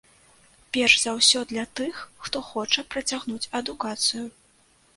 Перш за ўсё для тых, хто хоча працягнуць адукацыю.